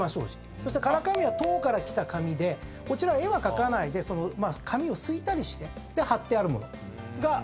そして唐紙は唐から来た紙でこちら絵は描かないで紙をすいたりして張ってあるものがありまして。